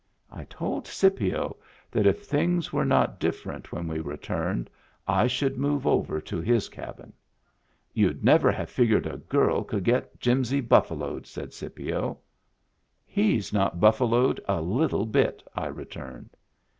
I told Scipio that if things were not different when we returned I should move over to his cabin. "You'd never have figured a girl could get Jimsy buffaloed !" said Scipio. " He's not buffaloed a little bit,'' I returned.